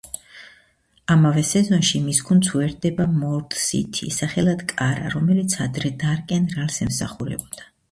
ამავე სეზონში მის გუნდს უერთდება მორდ-სითი, სახელად კარა, რომელიც ადრე დარკენ რალს ემსახურებოდა.